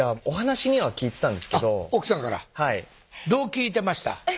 お話には聞いてたんですけど奥さんからどう聞いてました？